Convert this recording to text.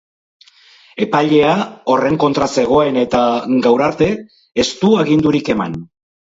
Epailea horren kontra zegoen eta, gaur arte, ez du agindurik eman.